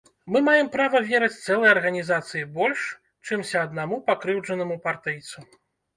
Мы маем права верыць цэлай арганізацыі больш, чымся аднаму пакрыўджанаму партыйцу.